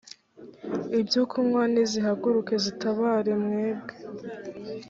ibyokunywa nizihaguruke zitabare mwebwe